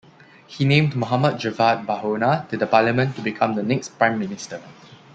He named Mohammad-Javad Bahonar to the Parliament to become the next prime minister.